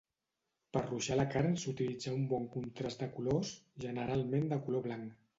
Per ruixar la carn s'utilitza un bon contrast de colors, generalment de color blanc.